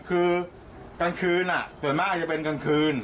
คือกลางคืนส่วนมากจะเป็นกลางคืน